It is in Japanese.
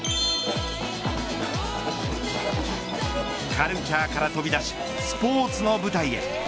カルチャーから飛び出しスポーツの舞台へ。